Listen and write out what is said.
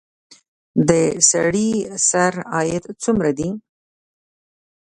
د سړي سر عاید څومره دی؟